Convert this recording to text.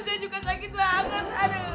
saya juga sakit banget